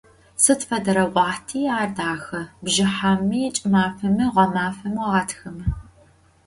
Сыд фэдэрэ уахъти ар дахэ: бжыхьэми, кӏымафэми, гъэмафэми, гъатхэми.